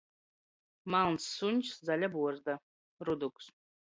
Malns suņs, zaļa buorzda. Ruduks.